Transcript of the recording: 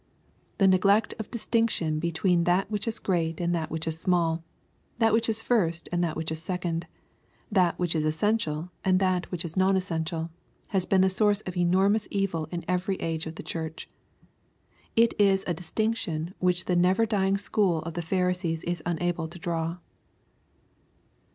The neglect of distinction between that which is great and that which is small, that which is first and that which is second, that which is essential and that which is ncm essential, has been the source of enormous evil in every age of the Church. It is a dis tinction which the never dying school of the Pharisees is unable to draw.